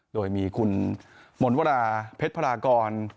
โดยมีคุณหมดเวลาเพชรพลากร